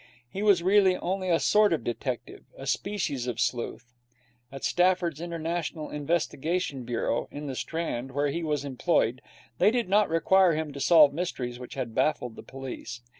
He was really only a sort of detective, a species of sleuth. At Stafford's International Investigation Bureau, in the Strand, where he was employed, they did not require him to solve mysteries which had baffled the police.